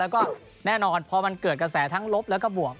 แล้วก็แน่นอนพอมันเกิดกระแสทั้งลบแล้วก็บวก